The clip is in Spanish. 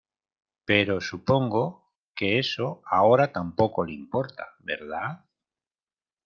pero supongo que eso ahora tampoco le importa, ¿ verdad?